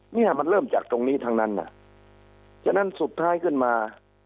เนี่ยมันเริ่มจากตรงนี้ทั้งนั้นฉะนั้นสุดท้ายขึ้นมา